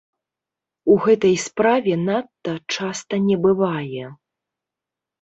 У гэтай справе надта часта не бывае.